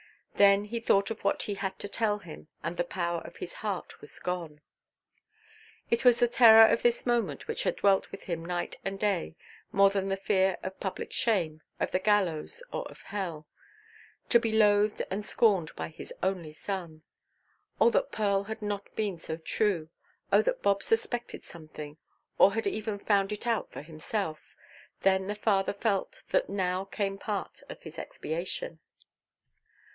Then he thought of what he had to tell him, and the power of his heart was gone. It was the terror of this moment which had dwelt with him night and day, more than the fear of public shame, of the gallows, or of hell. To be loathed and scorned by his only son! Oh that Pearl had not been so true; oh that Bob suspected something, or had even found it out for himself! Then the father felt that now came part of his expiation.